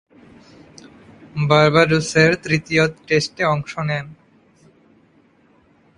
বার্বাডোসের তৃতীয় টেস্টে অংশ নেন।